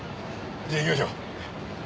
じゃあ行きましょう。